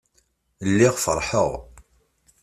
Lliɣ feṛḥeɣ.